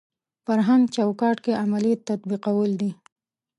فرهنګ چوکاټ کې عملي تطبیقول دي.